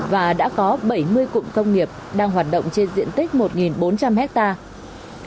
và đã có bảy mươi cụm công nghiệp đang hoạt động trên diện tích một bốn trăm linh hectare